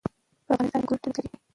په افغانستان کې انګور ډېر اهمیت لري.